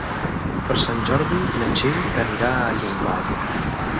Per Sant Jordi na Txell anirà a Llombai.